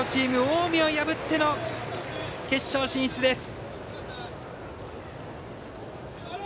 近江を破っての決勝進出です。